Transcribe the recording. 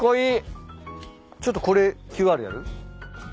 ちょっとこれＱＲやる？